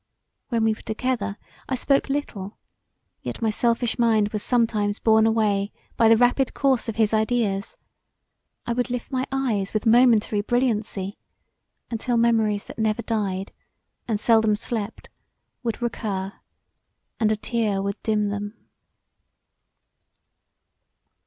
When we were together I spoke little yet my selfish mind was sometimes borne away by the rapid course of his ideas; I would lift my eyes with momentary brilliancy until memories that never died and seldom slept would recur, and a tear would dim them.